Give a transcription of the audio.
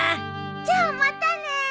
じゃあまたね。